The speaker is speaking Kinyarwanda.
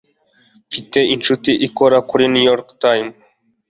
mfite inshuti ikora kuri new york times